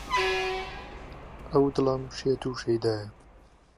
ئهو دڵهم شێت و شهیدایه